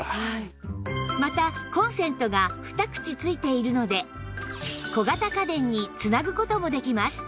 またコンセントが２口付いているので小型家電に繋ぐ事もできます